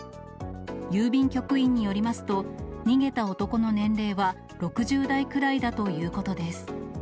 郵便局員によりますと、逃げた男の年齢は６０代くらいだということです。